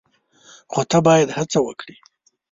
خو ته باید هڅه وکړې !